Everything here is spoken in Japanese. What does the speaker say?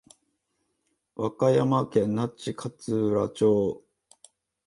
和歌山県那智勝浦町